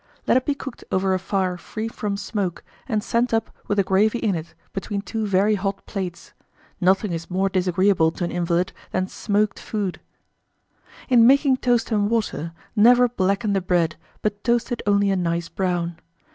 Let it be cooked over a fire free from smoke, and sent up with the gravy in it, between two very hot plates. Nothing is more disagreeable to an invalid than smoked food. 1851. In making toast and water, never blacken the bread, but toast it only a nice brown.